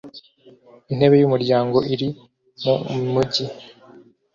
intebe y umuryango iri mu mujyi